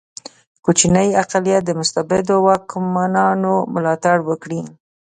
کوچنی اقلیت د مستبدو واکمنانو ملاتړ وکړي.